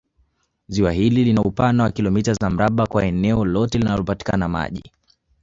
Ziwa hili lina upana wa kilomita za mraba kwa eneo lote linalopatikana maji